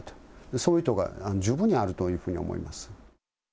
そういう意図が十分にあるというふうに思います。